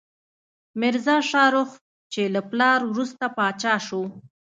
میرزا شاهرخ، چې له پلار وروسته پاچا شو.